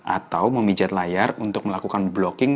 atau memijat layar untuk melakukan blocking